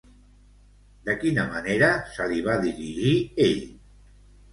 De quina manera se li va dirigir ell?